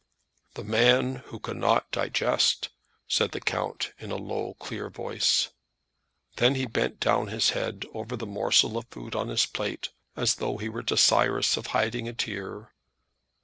"The man who cannot digest," said the count, in a low clear voice. Then he bent down his head over the morsel of food on his plate, as though he were desirous of hiding a tear.